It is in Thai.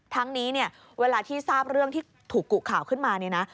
ทั้งนี้เวลาที่ทราบเรื่องที่ถูกกุข่าวขึ้นมา